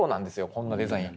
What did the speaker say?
こんなデザイン。